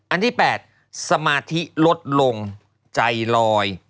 อันที่๘สมาธิลดลงใจลอย